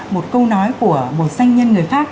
một câu nói của một doanh nhân người pháp